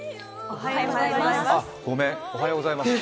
おはようございます。